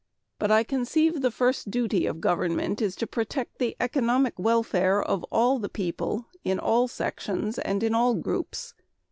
But I conceive the first duty of government is to protect the economic welfare of all the people in all sections and in all groups.